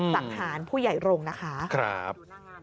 สักฐานผู้ใหญ่รงนะคะดูหน้างานนะคะครับ